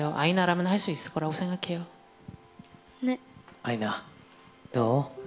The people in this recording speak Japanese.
アイナ、どう？